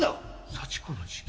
幸子の事件？